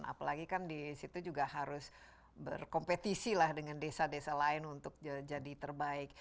apalagi kan di situ juga harus berkompetisi lah dengan desa desa lain untuk jadi terbaik